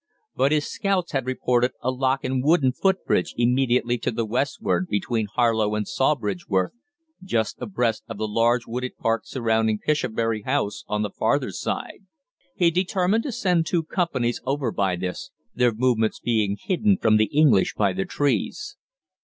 But his scouts had reported a lock and wooden footbridge immediately to the westward between Harlow and Sawbridgeworth, just abreast of the large wooded park surrounding Pishobury House on the farther side. He determined to send two companies over by this, their movements being hidden from the English by the trees.